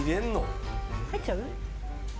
入っちゃう？